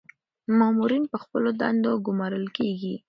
مامورین په خپلو دندو ګمارل کیږي.